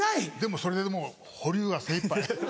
それでもう保留が精いっぱい。